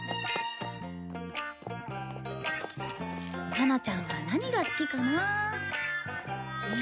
ハナちゃんは何が好きかな？